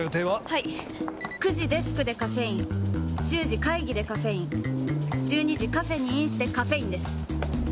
はい９時デスクでカフェイン１０時会議でカフェイン１２時カフェにインしてカフェインです！